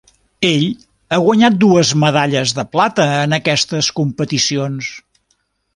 Ell ha guanyat dues medalles de plata en aquestes competicions.